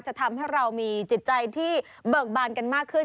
จะทำให้เรามีจิตใจที่เบิกบานกันมากขึ้น